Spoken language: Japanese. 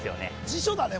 辞書だね